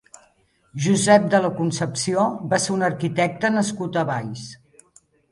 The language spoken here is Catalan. Josep de la Concepció va ser un arquitecte nascut a Valls.